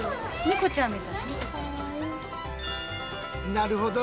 なるほど。